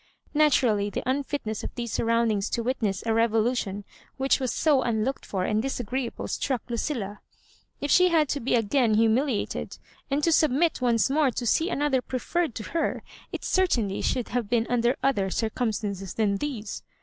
Naturally the unfitness of these surroimdings to witness a revolution which was so unlooked for and dis agreeable struck Lucilla. If she had to be again humiliated, and to submit once more to see another preferred to her, it certainly should have been under other circumstances than these.